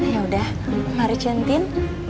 ya udah mari cantin